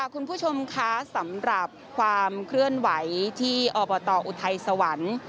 คุณผู้ชมคะสำหรับความเคลื่อนไหวที่อบตอุทัยสวรรค์